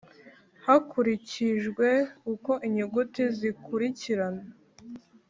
hakurikijwe uko inyuguti zikurikirana